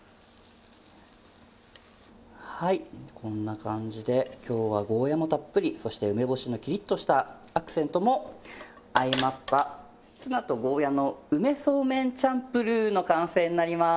はいこんな感じで今日はゴーヤーもたっぷりそして梅干しのキリッとしたアクセントも相まったツナとゴーヤーの梅そうめんチャンプルーの完成になります。